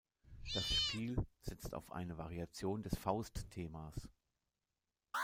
Das Spiel setzt auf eine Variation des Faust-Themas.